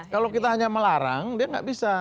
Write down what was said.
kalau kita hanya melarang dia nggak bisa